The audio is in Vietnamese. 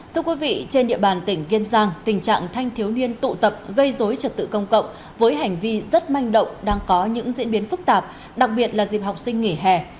thưa quý vị trên địa bàn tỉnh kiên giang tình trạng thanh thiếu niên tụ tập gây dối trật tự công cộng với hành vi rất manh động đang có những diễn biến phức tạp đặc biệt là dịp học sinh nghỉ hè